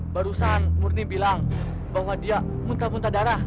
barusan murni bilang bahwa dia muntah muntah darah